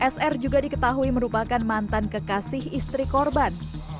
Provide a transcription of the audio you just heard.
sr juga diketahui merupakan mantan kekasih istri korban